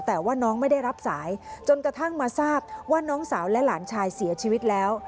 แต่ว่าน้องไม่ได้รับสายจนกระทั่งมาทราบว่าน้องสาวและหลานชายเสียชีวิตแล้ว